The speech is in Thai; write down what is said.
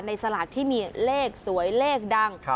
สลากที่มีเลขสวยเลขดัง